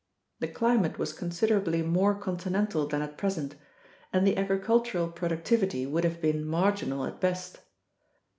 The climate was considerably more continental than at present, and the agricultural productivity would have been marginal at best.